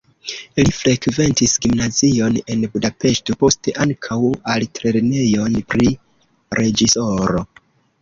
Li frekventis gimnazion en Budapeŝto, poste ankaŭ altlernejon pri reĝisoro.